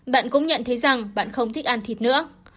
bạn cũng nhận thấy rằng bạn không thích ăn thịt nữa